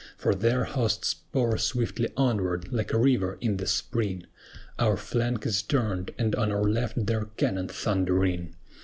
For their hosts pour swiftly onward, like a river in the spring, Our flank is turned, and on our left their cannon thundering.